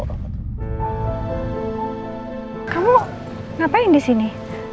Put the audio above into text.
kamu ngapain di sini